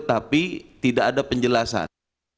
tapi tidak ada penjelasan